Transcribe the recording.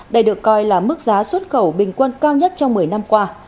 đây được coi là mức giá xuất khẩu bình quân cao nhất trong một mươi năm qua